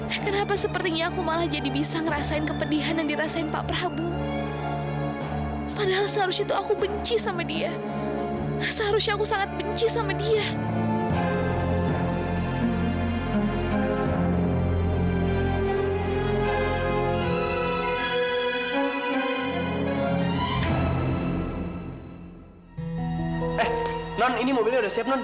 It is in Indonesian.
eh non ini mobilnya udah siap non